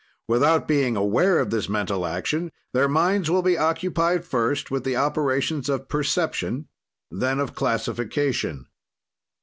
"Without being aware of this mental action, their minds will be occupied first with the operations of perception then of classification.